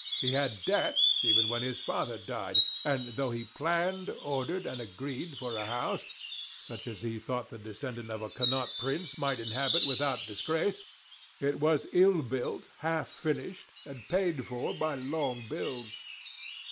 He had debts even when his father died; and though he planned, ordered, and agreed for a house, such as he thought the descendant of a Connaught Prince might inhabit without disgrace, it was ill built, half finished, and paid for by long bills.